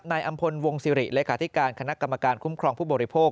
นายอำพลวงศิริเลขาธิการคณะกรรมการคุ้มครองผู้บริโภค